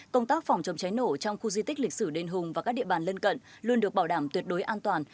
công tác phòng chống cháy nổ trong khu di tích lịch sử đền hùng và các địa bàn lân cận luôn được bảo đảm tuyệt đối an toàn